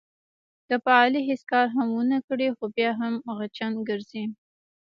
که په علي هېڅ کار هم ونه کړې، خو بیا هم خچن ګرځي.